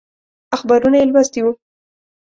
اخبارونه یې لوستي وو.